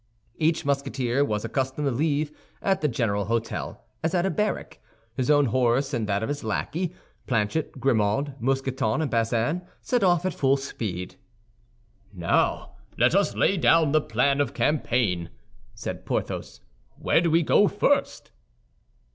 Each Musketeer was accustomed to leave at the general hôtel, as at a barrack, his own horse and that of his lackey. Planchet, Grimaud, Mousqueton, and Bazin set off at full speed. "Now let us lay down the plan of campaign," said Porthos. "Where do we go first?"